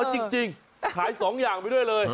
เอาจริงขายสองอย่างไปด้วยเลย